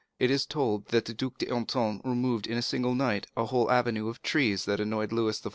It is told that the Duc d'Antin removed in a single night a whole avenue of trees that annoyed Louis XIV.